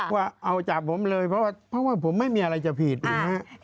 ว่าเอาจากผมเลยเพราะว่าผมไม่มีอะไรจะผิดถูกไหม